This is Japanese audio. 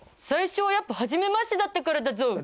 最初はやっぱはじめましてだったからだゾ。